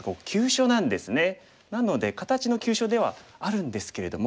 なので形の急所ではあるんですけれども。